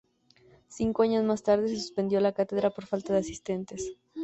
Cinco años más tarde se suspendió la cátedra "por falta de asistentes".